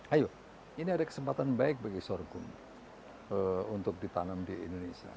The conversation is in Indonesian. ayo ini ada kesempatan baik bagi sorghum untuk ditanam di indonesia